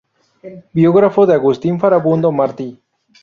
Biógrafo de Agustín Farabundo Martí.